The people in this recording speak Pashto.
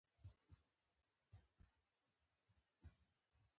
ما باید دفتر ته لږ تر لږه یوه میاشت دمخه خبر ورکړی وای.